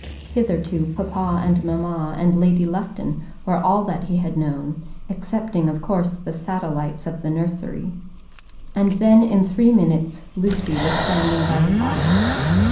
Hitherto papa and mamma and Lady Lufton were all that he had known, excepting, of course, the satellites of the nursery. And then in three minutes Lucy was standing by the fire.